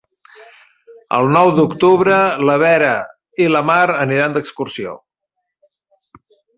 El nou d'octubre na Vera i na Mar aniran d'excursió.